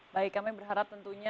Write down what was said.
baik kami berharap tentunya